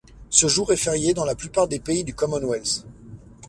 Ce jour est férié dans la plupart des pays du Commonwealth.